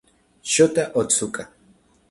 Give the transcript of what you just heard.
Shota Otsuka